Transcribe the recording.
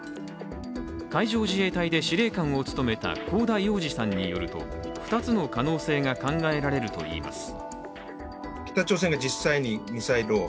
海上自衛隊で司令官を務めた香田洋二さんによると、２つの可能性が考えられるといいます。